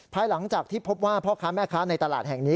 ภายหลังจากที่พบว่าพ่อค้าแม่ค้าในตลาดแห่งนี้